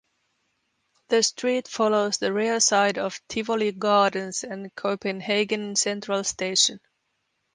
The street follows the rear side of Tivoli Gardens and Copenhagen Central Station.